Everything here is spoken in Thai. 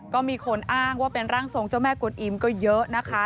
ก็มีคนอ้างว่าเป็นร่างทรงเจ้าแม่กวนอิมก็เยอะนะคะ